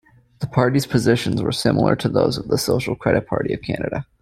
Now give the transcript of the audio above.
The party's positions were similar to those of the Social Credit Party of Canada.